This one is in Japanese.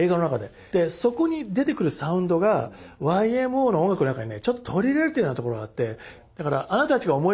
でそこに出てくるサウンドがＹＭＯの音楽の中にねちょっと取り入れられてるようなところがあって。